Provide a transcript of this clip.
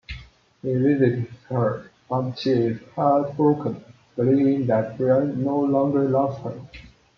He visits her, but she is heartbroken, believing that Brian no longer loves her.